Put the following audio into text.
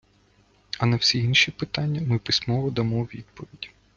А на всі інші питання ми письмово дамо відповіді.